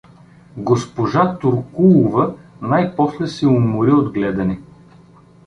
Госпожа Туркулова най-после се умори от гледане.